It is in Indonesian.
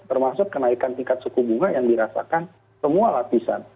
termasuk kenaikan tingkat suku bunga yang dirasakan semua lapisan